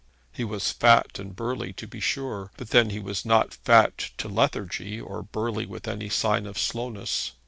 He was fat and burly to be sure; but then he was not fat to lethargy, or burly with any sign of slowness.